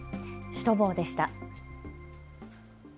シュトボーでした。